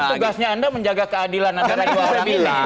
kan tugasnya anda menjaga keadilan antara dua perempuan